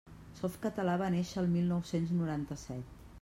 Softcatalà va néixer el mil nou-cents noranta-set.